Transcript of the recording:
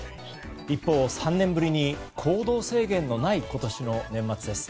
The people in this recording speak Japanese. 一方、３年ぶりに行動制限のない今年の年末です。